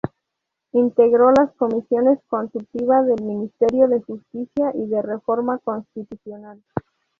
Integró las comisiones Consultiva del Ministerio de Justicia y de Reforma Constitucional.